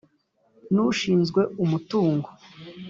nushizwe umutungo.